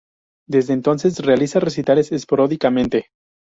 Desde entonces realiza recitales esporádicamente.